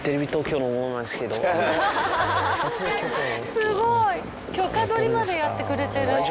すごい許可取りまでやってくれてる。